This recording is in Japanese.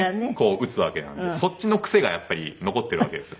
打つわけなのでそっちの癖がやっぱり残ってるわけですよ。